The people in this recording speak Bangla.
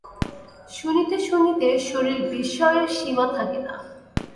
শুনিতে শুনিতে শশীর বিস্ময়ের সীমা থাকে না।